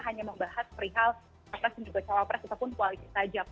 hanya membahas perihal presiden juga salah presiden ataupun kualitas saja